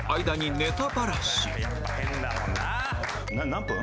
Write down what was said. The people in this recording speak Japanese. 何分？